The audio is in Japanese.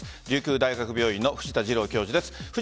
琉球大学病院の藤田次郎教授です。